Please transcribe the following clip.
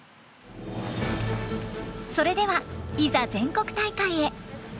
それではいざ全国大会へ。